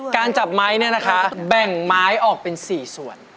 จับไม้เนี่ยนะคะแบ่งไม้ออกเป็น๔ส่วน